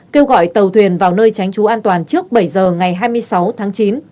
kêu gọi tàu thuyền vào nơi tránh trú an toàn trước bảy giờ ngày hai mươi sáu tháng chín